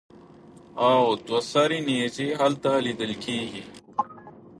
او دوه سرې نېزې هلته لیدلې کېږي.